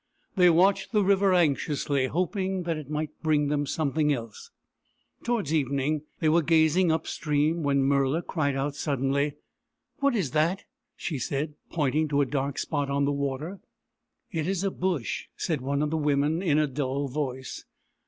They watched the river anxiously, hoping that it might bring them some thing else. Towards evening, they were gazing up stream, when Murla cried out suddenly. " What is that ?" she said, pointing to a dark spot on the water. " It is a bush," said one of the women, in a dull voice.